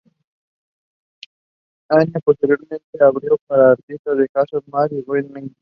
Anya posteriormente abrió para artistas como Jason Mraz y Rhett Miller.